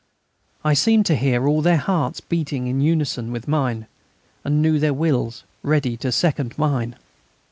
I seemed to hear all their hearts beating in unison with mine; and knew their wills ready to second mine.